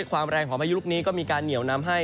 ความแรงของพายุลูกนี้ก็มีการเหนียวนำให้